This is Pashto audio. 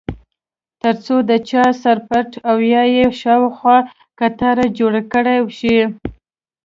ترڅو د څاه سر پټ او یا یې خواوشا کټاره جوړه کړای شي.